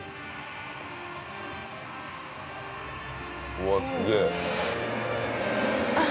うわっすげえ。